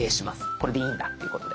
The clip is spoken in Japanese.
これでいいんだっていうことで。